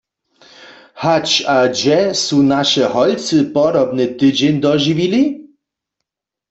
Hač a hdźe su naše holcy podobny tydźeń dožiwili?